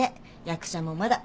役者もまだ。